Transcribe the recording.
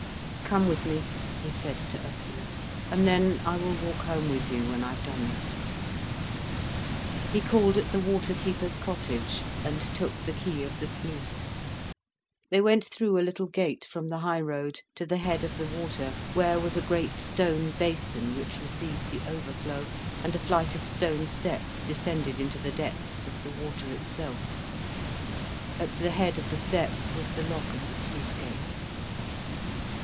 "Come with me," he said to Ursula, "and then I will walk home with you, when I've done this." He called at the water keeper's cottage and took the key of the sluice. They went through a little gate from the high road, to the head of the water, where was a great stone basin which received the overflow, and a flight of stone steps descended into the depths of the water itself. At the head of the steps was the lock of the sluice gate.